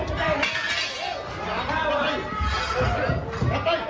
ตอบเกมตอบตอบไปอีกนิดหน่อย